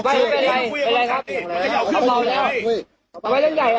ขย่าวขย่าวขย่าวขย่าว